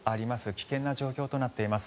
危険な状況となっています。